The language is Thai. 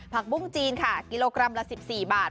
ปุ้งจีนค่ะกิโลกรัมละ๑๔บาท